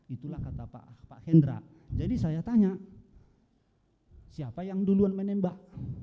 itulah kata pak hendra jadi saya tanya siapa yang duluan menembak